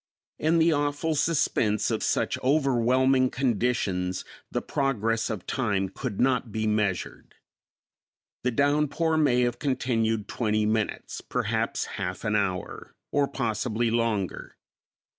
In the awful suspense of such overwhelming conditions the progress of time could not be measured. The downpour may have continued twenty minutes, perhaps half an hour, or possibly longer.